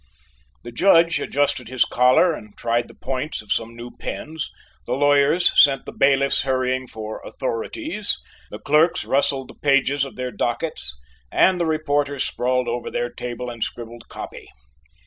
The Judge adjusted his collar and tried the points of some new pens; the lawyers sent the bailiffs hurrying for "authorities"; the clerks rustled the pages of their dockets, and the reporters sprawled over their table and scribbled copy.